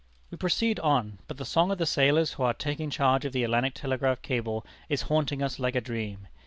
"We proceed on; but the song of the sailors who are taking charge of the Atlantic Telegraph cable is haunting us like a dream.